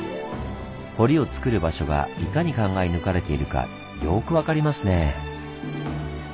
堀をつくる場所がいかに考え抜かれているかよく分かりますね。